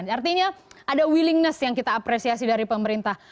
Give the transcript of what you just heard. artinya ada willingness yang kita apresiasi dari pemerintah